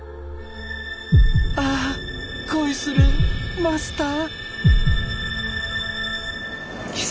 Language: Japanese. ああ恋するマスター。